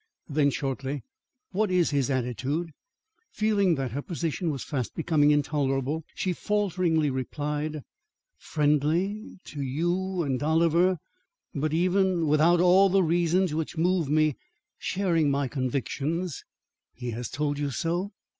Then shortly, "What is his attitude?" Feeling that her position was fast becoming intolerable she falteringly replied, "Friendly to you and Oliver but, even without all the reasons which move me, sharing my convictions." "He has told you so?"